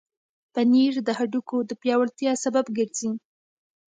پنېر د هډوکو د پیاوړتیا سبب ګرځي.